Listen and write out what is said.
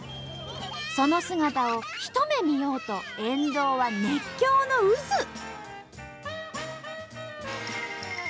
その姿をひと目見ようと沿道は熱狂の渦！